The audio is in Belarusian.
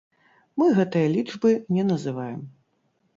Мы гэтыя лічбы не называем.